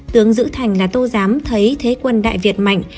tướng giữ thành là tô giám thấy thế quân đại việt mạnh